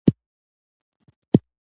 کمپیوټر یوازې د عددونو په مرسته محاسبه کوي.